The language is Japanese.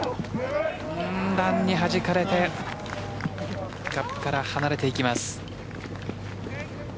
段にはじかれてカップから離れていきます。